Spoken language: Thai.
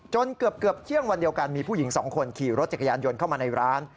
เกือบเที่ยงวันเดียวกันมีผู้หญิงสองคนขี่รถจักรยานยนต์เข้ามาในร้าน